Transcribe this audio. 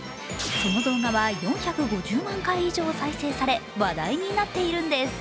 その動画は４５０万回以上再生され、話題になっているんです。